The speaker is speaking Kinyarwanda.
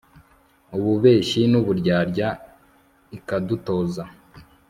ububeshyi n'uburyarya ikadutoza